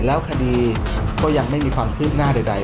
แล้วคดีก็ยังไม่มีความคืบหน้าใด